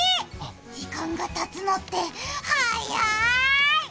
時間がたつのって早い！